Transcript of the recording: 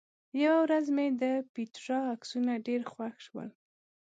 یوه ورځ مې د پېټرا عکسونه ډېر خوښ شول.